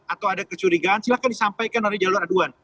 atau ada kecurigaan silahkan disampaikan dari jalur aduan